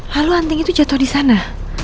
lalu anting itu jatuh di sana